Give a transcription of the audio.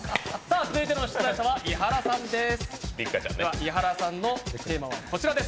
続いての出題者は伊原さんです。